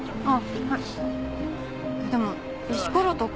あっ！